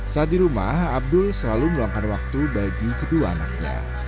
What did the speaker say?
saat di rumah abdul selalu meluangkan waktu bagi kedua anaknya